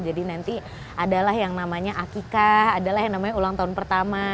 jadi nanti adalah yang namanya akika adalah yang namanya ulang tahun pertama